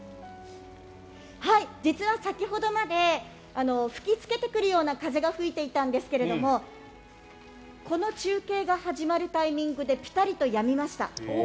実は先ほどまで吹きつけてくるような風が吹いていたんですけれどこの中継が始まるタイミングでぴたりとやみました。